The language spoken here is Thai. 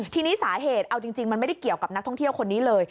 ทีนี้สาเหตุเอาจริงมันไม่ได้เกี่ยวกับนักท่องเที่ยวคนนี้เลย